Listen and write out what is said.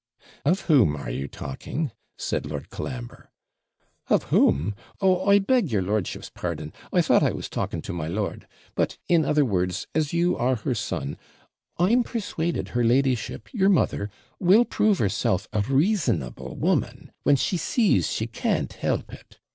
'Of whom are you talking?' said Lord Colambre. 'Of whom? Oh, I beg your lordship's pardon I thought I was talking to my lord; but, in other words, as you are her son, I'm persuaded her ladyship, your mother, will prove herself a reasonable woman when she sees she can't help it.